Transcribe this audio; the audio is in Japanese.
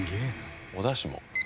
おだしも？